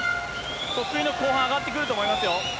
得意の後半、上がってくると思いますよ。